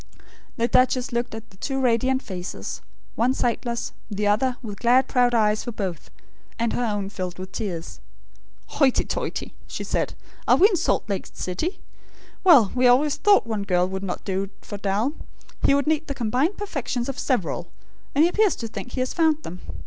The duchess looked at the two radiant faces; one sightless; the other, with glad proud eyes for both; and her own filled with tears. "Hoity toity!" she said. "Are we in Salt Lake City? Well, we always thought one girl would not do for Dal; he would need the combined perfections of several; and he appears to think he has found them.